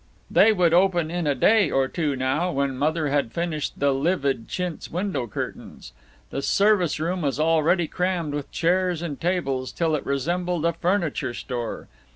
They would open in a day or two, now, when Mother had finished the livid chintz window curtains. The service room was already crammed with chairs and tables till it resembled a furniture store.